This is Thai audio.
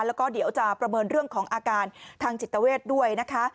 แล้วก็เดี๋ยวจะประเมินเรื่องของอาการทางจิตเวทด้วยนะคะ